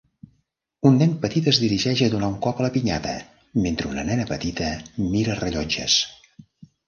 Un nen petit es dirigeix a donar un cop a la pinyata mentre una nena petita mira rellotges.